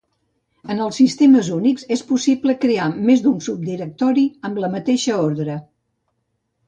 En els sistemes Unix, és possible crear més d'un subdirectori amb la mateixa ordre.